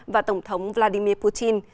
và tổng thống vladimir putin